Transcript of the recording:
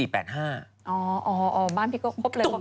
อ๋อบ้านพี่โก๊กพบเลย